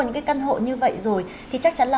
những cái căn hộ như vậy rồi thì chắc chắn là